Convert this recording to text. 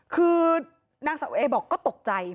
คือนางสาวเอบอกก็ตกใจ